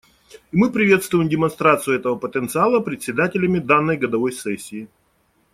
И мы приветствуем демонстрацию этого потенциала председателями данной годовой сессии.